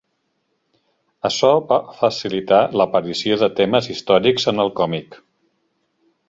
Açò va facilitar l'aparició de temes històrics en el còmic.